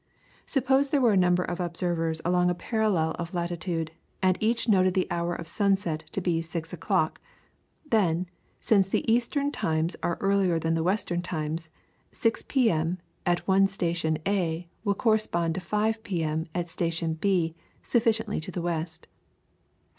Suppose there were a number of observers along a parallel of latitude, and each noted the hour of sunset to be six o'clock, then, since the eastern times are earlier than western times, 6 p.m. at one station A will correspond to 5 p.m. at a station B sufficiently to the west.